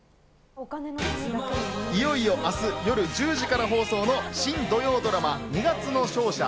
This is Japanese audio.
いよいよ明日夜１０時から放送の新土曜ドラマ『二月の勝者ー